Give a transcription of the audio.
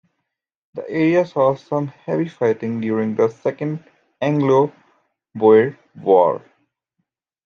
The area saw some heavy fighting during the Second Anglo-Boer War.